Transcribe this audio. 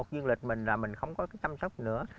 một mươi một dương lịch mình là mình không có cái chăm sóc nữa